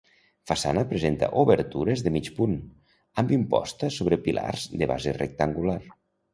Façana presenta obertures de mig punt, amb imposta sobre pilars de base rectangular.